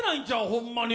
ホンマに。